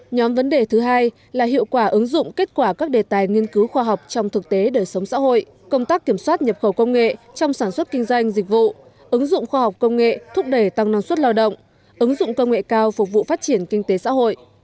nhóm vấn đề thứ hai là hiệu quả ứng dụng kết quả các đề tài nghiên cứu khoa học trong thực tế đời sống xã hội công tác kiểm soát nhập khẩu công nghệ trong sản xuất kinh doanh dịch vụ ứng dụng khoa học công nghệ thúc đẩy tăng năng suất lao động ứng dụng công nghệ cao phục vụ phát triển kinh tế xã hội